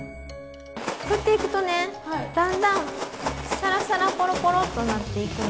ふっていくとねだんだんサラサラコロコロッとなっていくの。